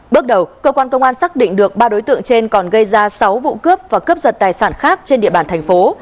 bước đầu cơ quan công an xác định được ba đối tượng trên còn gây ra sáu vụ cướp và cướp giật tài sản khác trên địa bàn thành phố